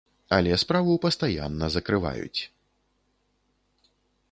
Але справу пастаянна закрываюць.